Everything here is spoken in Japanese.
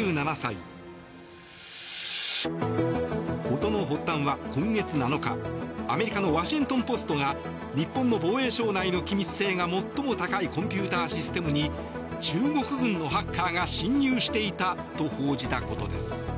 事の発端は、今月７日アメリカのワシントン・ポストが日本の防衛省内の機密性が最も高いコンピューターシステムに中国軍のハッカーが侵入していたと報じたことです。